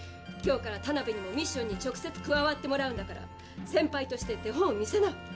今日からタナベにもミッションに直接加わってもらうんだから先輩として手本を見せな。